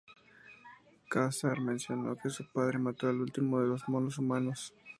Ka-Zar mencionó que su padre mató al último de los monos humanos.